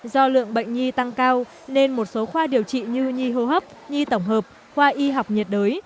do lượng bệnh nhi tăng cao nên một số khoa điều trị như nhi hô hấp nhi tổng hợp khoa y học nhiệt đới